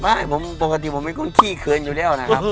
ปักษีแล้วบอกไม่ควรชอบเผ็ดเผ็ดอยู่แล้วนะครับ